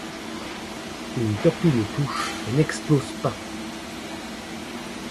Une torpille le touche mais n'explose pas.